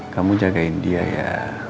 kamu jagain dia ya